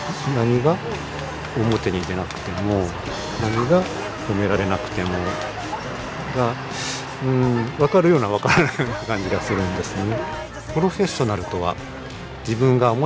何が「褒められなくても」が分かるような分からないような感じがするんですね。